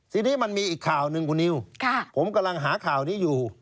ทีนี้มันมีอีกข่าวหนึ่งคุณนิวผมกำลังหาข่าวนี้อยู่